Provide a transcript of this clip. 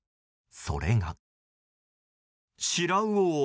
それが。